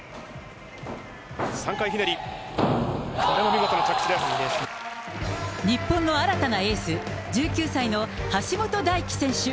３回ひねり、日本の新たなエース、１９歳の橋本大輝選手。